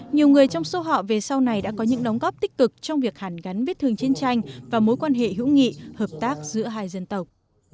nhiều người trong số họ về sau này đã có những đóng góp tích cực trong việc hàn gắn vết thương chiến tranh và mối quan hệ hữu nghị hợp tác giữa hai dân tộc